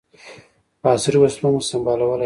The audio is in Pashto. په عصري وسلو مو سمبالولای سوای.